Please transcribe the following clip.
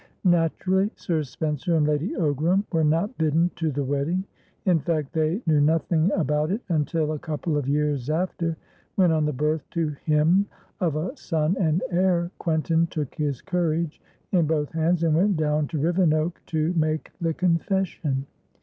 Naturally, Sir Spencer and Lady Ogram were not bidden to the wedding; in fact, they knew nothing about it until a couple of years after, when, on the birth to him of a son and heir, Quentin took his courage in both hands and went down to Rivenoak to make the confession.